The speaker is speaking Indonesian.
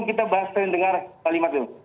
kita bahas dengan dengar pak limat